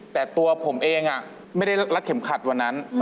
แต่ตัวผมเองไม่ได้รัดเข็มขัดวันนั้น